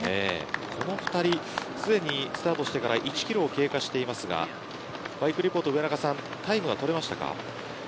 この２人にすでにスタートをしてから１キロが経過していますがバイクリポートの上中さんタイムをは取れましたか。